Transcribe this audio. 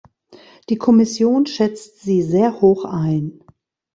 Die Kommission schätzt sie sehr hoch ein.